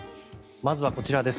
まずはこちらです。